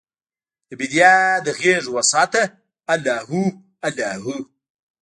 دبیدیا د غیږوسعته الله هو، الله هو